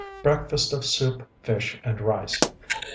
Breakfast of soup, fish, and rice.